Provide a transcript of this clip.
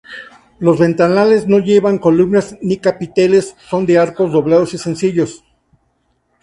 Los ventanales no llevan columnas ni capiteles; son de arcos doblados y sencillos.